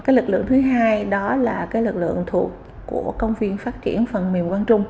cái lực lượng thứ hai đó là cái lực lượng thuộc của công viên phát triển phần miền quang trung